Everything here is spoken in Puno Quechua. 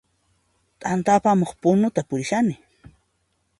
T'anta apamuq punuta purishani